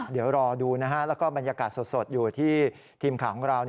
เดี๋ยวรอดูนะฮะแล้วก็บรรยากาศสดอยู่ที่ทีมข่าวของเรา